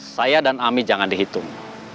saya dan ami jangan dihitung